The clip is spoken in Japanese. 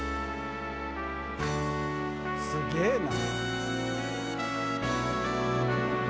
すげぇな。